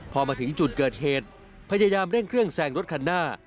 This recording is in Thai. พอมาถึงจุดเกิดเหตุพยายามเร่งเครื่องแซงรถคันหน้า